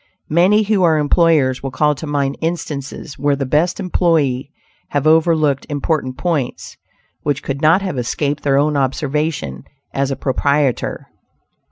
Many who are employers will call to mind instances where the best employees have overlooked important points which could not have escaped their own observation as a proprietor.